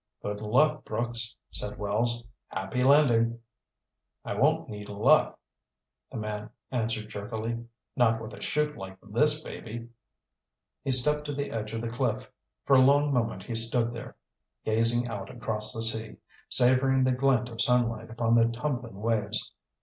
"Good luck, Brooks," said Wells. "Happy landing." "I won't need luck," the man answered jerkily. "Not with a 'chute like this baby." He stepped to the edge of the cliff. For a long moment he stood there, gazing out across the sea, savoring the glint of sunlight upon the tumbling waves.